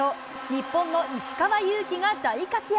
日本の石川祐希が大活躍。